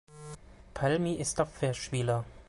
Palmi ist Abwehrspieler.